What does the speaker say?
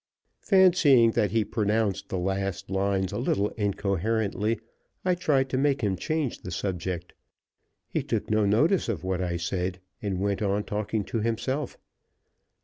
Fancying that he pronounced the last lines a little incoherently, I tried to make him change the subject. He took no notice of what I said, and went on talking to himself.